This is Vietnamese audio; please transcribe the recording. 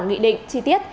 nghị định chi tiết